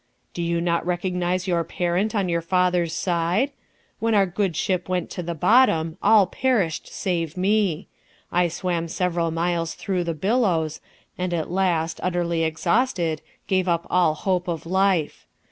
"Do you not recognize your parent on your father's side? When our good ship went to the bottom, all perished save me. I swam several miles through the billows, and at last, utterly exhausted, gave up all hope of life.